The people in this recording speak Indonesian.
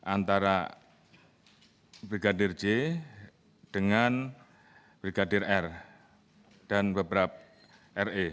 antara brigadir j dengan brigadir r dan beberapa re